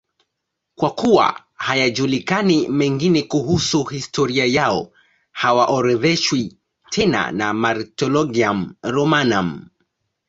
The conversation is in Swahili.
Kwa kuwa hayajulikani mengine kuhusu historia yao, hawaorodheshwi tena na Martyrologium Romanum.